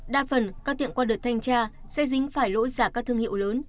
đa phần các tiệm qua đợt thanh tra sẽ dính phải lỗi giả các thương hiệu lớn